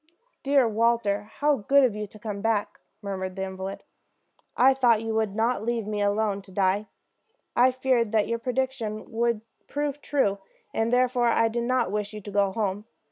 "Dear Walter, how good of you to come back!" murmured the invalid. "I thought you would not leave me to die alone. I feared that your prediction would prove true, and therefore I did not wish you to go home.